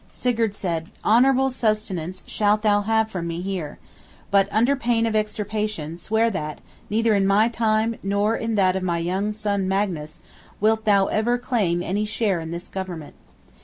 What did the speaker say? Sigurd said, "Honorable sustenance shalt thou have from me here. But, under pain of extirpation, swear that, neither in my time, nor in that of my young son Magnus, wilt thou ever claim any share in this Government."